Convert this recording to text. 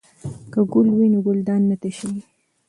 که ګل وي نو ګلدان نه تشیږي.